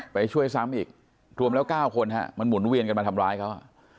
ไปช่วยซ้ำอีกรวมแล้ว๙คนฮะมันหมุนเวียนกันมาทำร้ายเขา